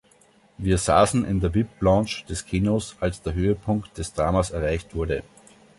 Wir saßen in der VIP-Lounge des Kinos, als der Höhepunkt des Dramas erreicht wurde.